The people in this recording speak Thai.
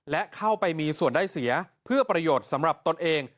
และเข้าไปมีส่วนได้เสียเพื่อประโยชน์สำหรับตนเอง